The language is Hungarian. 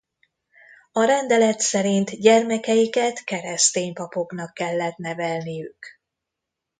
A rendelet szerint gyermekeiket keresztény papoknak kellett nevelniük.